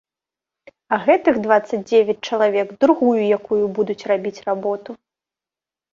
А гэтых дваццаць дзевяць чалавек другую якую будуць рабіць работу.